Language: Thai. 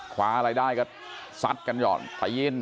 ขวาอะไรได้ก็สัดกันหย่อน